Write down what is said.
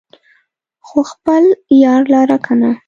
خو خپل يار لره کنه